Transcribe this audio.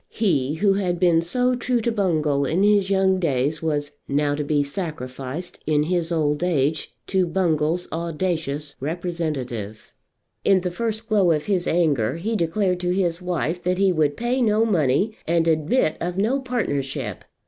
He who had been so true to Bungall in his young days was now to be sacrificed in his old age to Bungall's audacious representative! In the first glow of his anger he declared to his wife that he would pay no money and admit of no partnership.